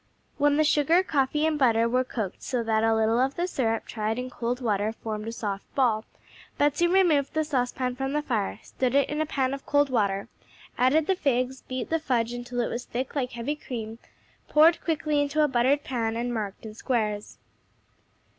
When the sugar, coffee and butter were cooked so that a little of the syrup tried in cold water formed a soft ball, Betsey removed the saucepan from the fire, stood it in a pan of cold water, added the figs, beat the fudge until it was thick like heavy cream, poured quickly into a buttered pan and marked in squares.